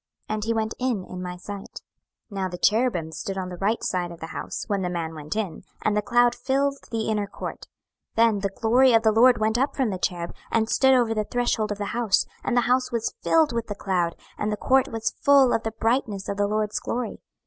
And he went in in my sight. 26:010:003 Now the cherubims stood on the right side of the house, when the man went in; and the cloud filled the inner court. 26:010:004 Then the glory of the LORD went up from the cherub, and stood over the threshold of the house; and the house was filled with the cloud, and the court was full of the brightness of the LORD's glory.